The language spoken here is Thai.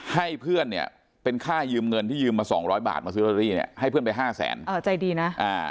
ให้เพื่อนเนี่ยเป็นค่ายืมเงินที่ยืมมาสองร้อยบาทมาซื้อลอตเตอรี่เนี่ยให้เพื่อนไปห้าแสนอ๋อใจดีนะอ่า